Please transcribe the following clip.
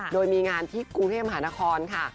โดยมีงานที่กรุงเทพหานครค่ะ